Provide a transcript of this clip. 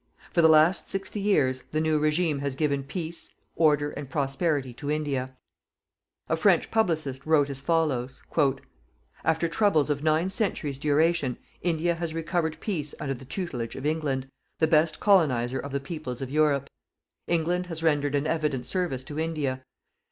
For the last sixty years, the new regime has given peace, order and prosperity to India. A French publicist wrote as follows: After troubles of nine centuries duration, India has recovered peace under the tutelage of England, the best colonizer of the peoples of Europe. England has rendered an evident service to India.